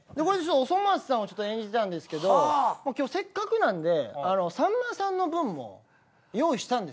おそ松さんを演じたんですけどせっかくなんでさんまさんの分も用意したんですよ。